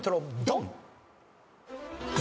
ドン！